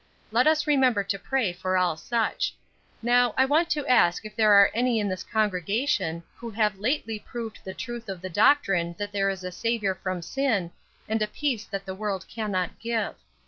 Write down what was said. Let us remember to pray for all such. Now, I want to ask if there are any in this congregation who have lately proved the truth of the doctrine that there is a Saviour from sin, and a peace that the world cannot give.